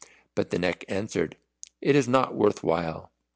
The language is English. But the Neck answered, "It is not worth while."